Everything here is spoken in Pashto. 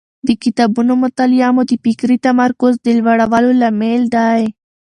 د کتابونو مطالعه مو د فکري تمرکز د لوړولو لامل دی.